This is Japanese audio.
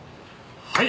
はい！